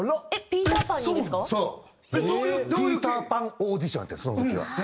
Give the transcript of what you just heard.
ピーター・パンオーディションやってんその時は。